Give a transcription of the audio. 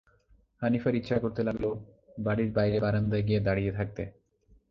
হানিফার ইচ্ছা করতে লাগল, বাড়ির বাইরে বারান্দায় গিয়ে দাঁড়িয়ে থাকতে।